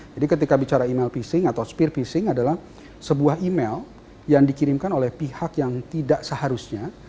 jadi ketika bicara email phishing atau spear phishing adalah sebuah email yang dikirimkan oleh pihak yang tidak seharusnya